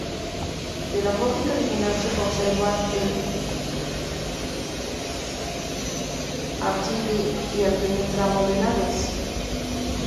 De la fábrica original se conservan el ábside y el primer tramo de naves.